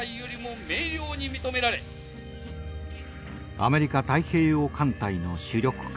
アメリカ太平洋艦隊の主力艦